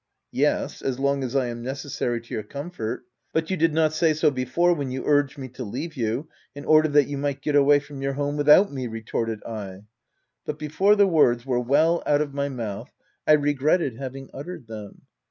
u Yes, as long as I am necessary to your com fort ; but you did not say so before, when you urged me to leave you, in order that you might get away from your home without me/' retorted I ; but before the words were well out of my mouth, I regretted having uttered them.